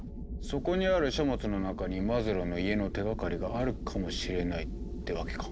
そこにある書物の中にマズローの家の手がかりがあるかもしれないってわけか。